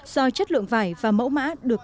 do chất lượng vải và mẫu mã được